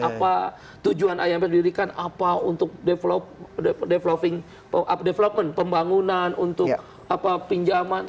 apa tujuan imf didirikan apa untuk development pembangunan untuk pinjaman